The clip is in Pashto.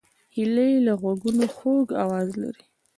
هیلۍ له غوږونو خوږ آواز لري